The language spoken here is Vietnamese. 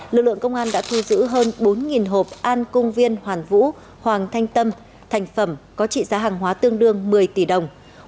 lực lượng công an đã thu giữ hơn bốn hộp an cung viên hoàn vũ hoàng thanh tâm thành phẩm có trị giá hàng hóa tương đương một mươi tỷ đồng